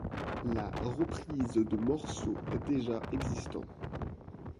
La reprise de morceaux déjà existants.